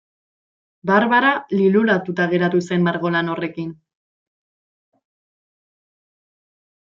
Barbara liluratuta geratu zen margolan horrekin.